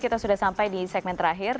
kita sudah sampai di segmen terakhir